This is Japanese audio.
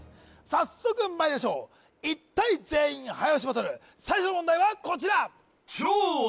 早速まいりましょう１対全員早押しバトル最初の問題はこちら